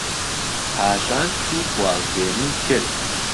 پاشان چوو خوازبێنی کرد